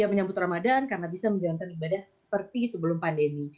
menyambut ramadan karena bisa menjalankan ibadah seperti sebelum pandemi